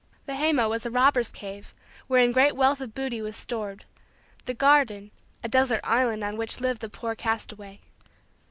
The haymow was a robbers' cave wherein great wealth of booty was stored; the garden, a desert island on which lived the poor castaway.